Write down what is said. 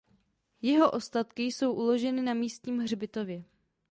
Jeho ostatky jsou uloženy na místním hřbitově.